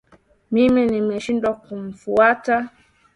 Mimi nimeshindwa kumfuata